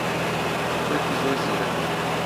کوڕێکی زۆر زیرەکە.